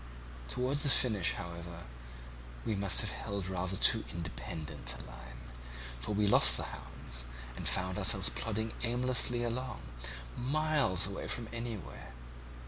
Towards the finish, however, we must have held rather too independent a line, for we lost the hounds, and found ourselves plodding aimlessly along miles away from anywhere.